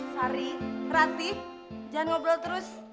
sari ranti jangan ngobrol terus